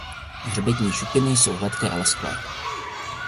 Hřbetní šupiny jsou hladké a lesklé.